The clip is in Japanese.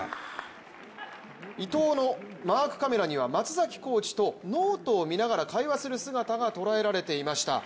伊藤のマークカメラには松崎コーチとノートを見ながら会話する姿が捉えられていました。